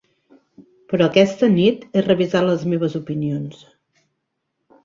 Però aquesta nit he revisat les meves opinions.